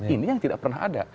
ini yang tidak pernah ada